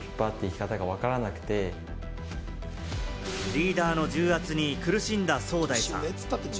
リーダーの重圧に苦しんだソウダイさん。